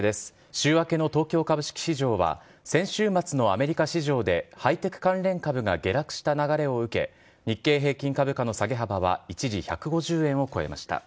週明けの東京株式市場は、先週末のアメリカ市場でハイテク関連株が下落した流れを受け、日経平均株価の下げ幅は一時１５０円を超えました。